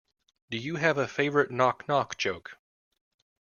Do you have a favourite knock knock joke?